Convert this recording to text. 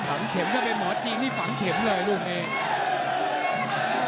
ฝังเข็มกับม๋ม่นหมอจีนฝังเข็มเลยลูกเอง